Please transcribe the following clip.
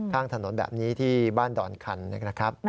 ข้างถนนแบบนี้ที่บ้านดอนคันนะครับ